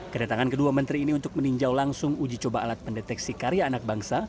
kedatangan kedua menteri ini untuk meninjau langsung uji coba alat pendeteksi karya anak bangsa